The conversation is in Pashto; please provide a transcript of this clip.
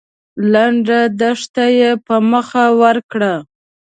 لنډه دښته يې په مخه ورکړه.